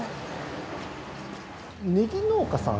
ねぎ農家さん？